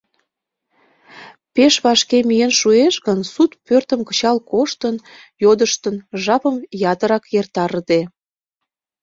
Пешак вашке миен шуэш гын, суд пӧртым кычал коштын, йодыштын, жапым ятырак эртарыде.